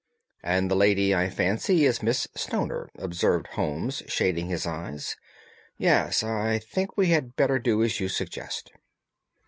"And the lady, I fancy, is Miss Stoner," observed Holmes, shading his eyes. "Yes, I think we had better do as you suggest."